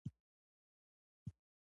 څارنوال، څارنوالي، څارنوالانو.